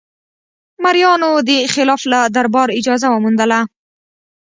مریانو د خلافت له دربار اجازه وموندله.